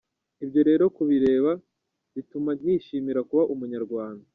Ibyo rero kubireba, bituma nishimira kuba umunyarwanda.